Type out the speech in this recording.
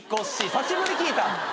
久しぶりに聞いた。